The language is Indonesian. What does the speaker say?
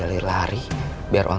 kalau aku bisa milih sesuatu ya wilankan